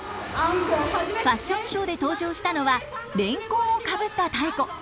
ファッションショーで登場したのはレンコンをかぶったタエコ。